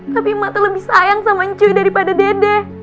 tapi mata lebih sayang sama incu daripada dede